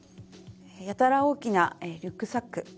やたら大きなリュックサック。